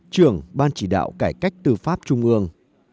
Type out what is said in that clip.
trưởng ban chỉ đạo cải cách tư pháp trung ương